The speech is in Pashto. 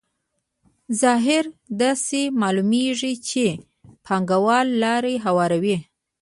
ظاهراً داسې معلومېږي چې پانګوال لار هواروي